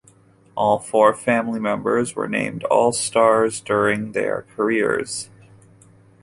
All four family members were named All-Stars during their careers.